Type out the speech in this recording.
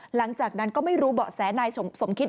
หลังจากนั้นก็ไม่รู้เบาะแสนายสมคิด